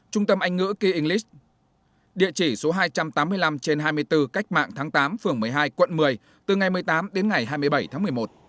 trung tâm anh ngữ kia english địa chỉ số hai trăm tám mươi năm trên hai mươi bốn cách mạng tháng tám phường một mươi hai quận một mươi từ ngày một mươi tám đến ngày hai mươi bảy tháng một mươi một